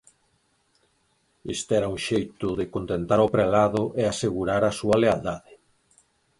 Este era un xeito de contentar o prelado e asegurar a súa lealdade.